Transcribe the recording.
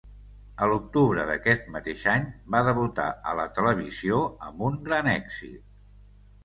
A l'octubre d'aquest mateix any, va debutar a la televisió, amb un gran èxit.